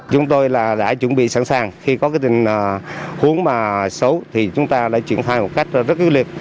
chúng tôi đã chuẩn bị sẵn sàng khi có hướng xấu thì chúng ta đã triển khai một cách rất ưu liệt